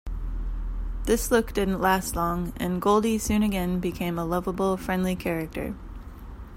This look didn't last long, and Goldy soon again became a lovable, friendly character.